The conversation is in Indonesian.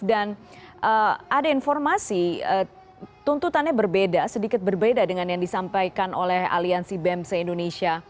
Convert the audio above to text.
dan ada informasi tuntutannya berbeda sedikit berbeda dengan yang disampaikan oleh aliansi bem se indonesia